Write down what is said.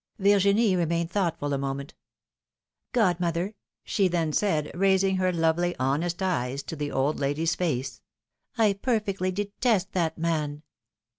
^^ Virginie remained thoughtful a moment. Godmother,^^ she then said, raising her lovely, honest eyes to the old lady\s face, I perfectly detest that man.